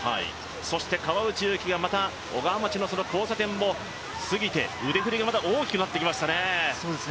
そして川内優輝がまた小川町の交差点を過ぎて腕振りがまた大きくなってきましたね。